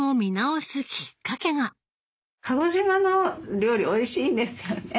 鹿児島の料理おいしいんですよね。